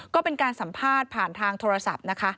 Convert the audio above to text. ก็เป็นการสัมภาษณ์ผ่านทางโทรศัพท์นะคะ